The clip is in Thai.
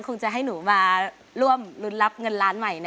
คงจะให้หนูมาร่วมรุ้นรับเงินล้านใหม่